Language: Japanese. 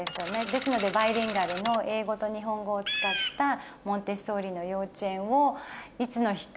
ですのでバイリンガルの英語と日本語を使ったモンテッソーリの幼稚園をいつの日か。